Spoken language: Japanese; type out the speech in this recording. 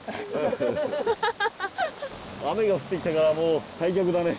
雨が降ってきたからもう退却だね。